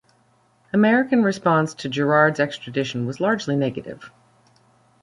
American response to Girard's extradition was largely negative.